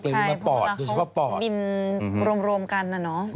เลยวิมันปอดโดยเฉพาะปอดใช่เพราะว่าเขาบินรวมกันน่ะ